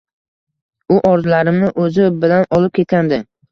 U orzularimni o‘zi bilan olib ketgandi.